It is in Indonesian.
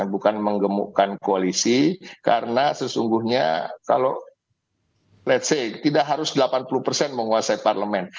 bukan menggemukkan koalisi karena sesungguhnya kalau let s say tidak harus delapan puluh menguasai parlemen